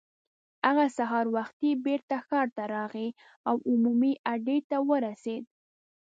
هغه سهار وختي بېرته ښار ته راغی او عمومي اډې ته ورسېد.